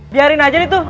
biarin aja nih tuh